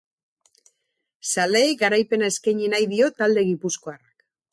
Zaleei garaipena eskaini nahi dio talde gipuzkoarrak.